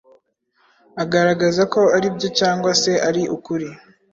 agaragaza ko ari byo cyangwa se ari ukuri.